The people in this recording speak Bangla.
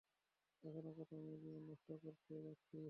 এখনো কত মেয়ের জীবন নষ্ট করতে যাচ্ছিস?